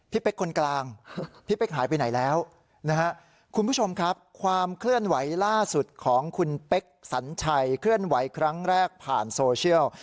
เป๊กคนกลางพี่เป๊กหายไปไหนแล้วนะฮะคุณผู้ชมครับความเคลื่อนไหวล่าสุดของคุณเป๊กสัญชัยเคลื่อนไหวครั้งแรกผ่านโซเชียล